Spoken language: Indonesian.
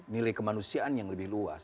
nilai kemanusiaan yang lebih luas